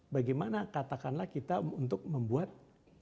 bagaimana katakanlah kita untuk membuat gelas ini penuh